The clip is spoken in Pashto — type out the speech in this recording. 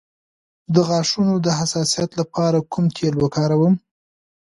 د غاښونو د حساسیت لپاره کوم تېل وکاروم؟